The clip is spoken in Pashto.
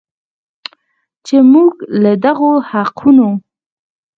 چې موږ له دغو حقونو